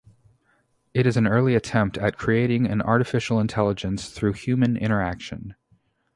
It is an early attempt at creating an artificial intelligence through human interaction.